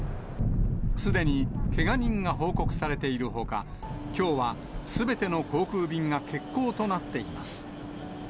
すでにけが人が報告されているほか、きょうはすべての航空便が欠航となっています。